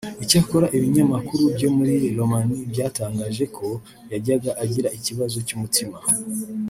icyakora ibinyamakuru byo muri Romania byatangaje ko yajyaga agira ikibazo cy’umutima